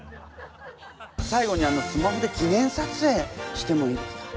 最後にスマホで記念さつえいしてもいいですか？